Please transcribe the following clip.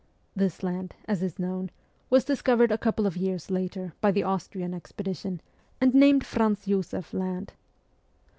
This land, as is known, was discovered a couple of years later by the Austrian expedition, and named Franz Josef Land.